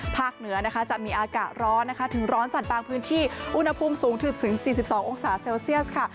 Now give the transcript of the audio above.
เหนือนะคะจะมีอากาศร้อนนะคะถึงร้อนจัดบางพื้นที่อุณหภูมิสูงถึง๔๒องศาเซลเซียสค่ะ